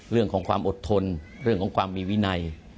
เรื่องของความอดทนเรื่องของความมีวินัย